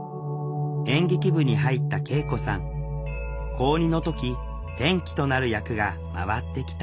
高２の時転機となる役が回ってきた